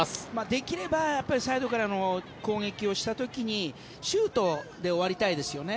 できればサイドからの攻撃をした時にシュートで終わりたいですよね。